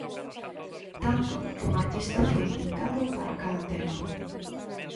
Tanto, que un artista foi invitado para cada tema.